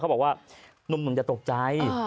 บอกว่าหนุ่มอย่าตกใจ